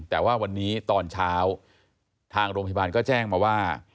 แต่ว่าวันนี้ตอนเช้าทางโรงพยาบาลก็แจ้งมาว่า